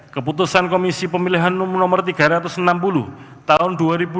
keputusan komisi pemilihan umum no tiga ratus enam puluh tahun dua ribu dua puluh